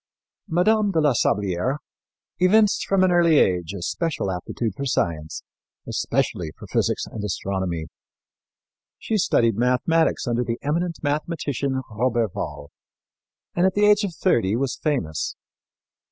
Mme. de la Sablière evinced from an early age a special aptitude for science, especially for physics and astronomy. She studied mathematics under the eminent mathematician, Roberval, and at the age of thirty was famous.